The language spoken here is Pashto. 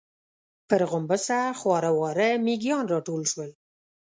پر غومبسه خواره واره مېږيان راټول شول.